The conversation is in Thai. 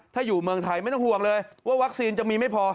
ถ้าอยู่เมืองไทยไม่ต้องห่วงเลยว่าวัคซีนจะมีไม่พอ